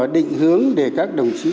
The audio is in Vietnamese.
định hướng để các đồng chí